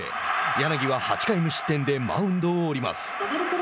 柳は８回無失点でマウンドを降ります。